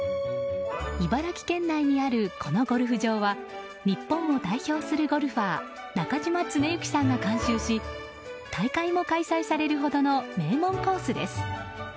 茨城県内にある、このゴルフ場は日本を代表するゴルファー中嶋常幸さんが監修し、大会も開催されるほどの名門コースです。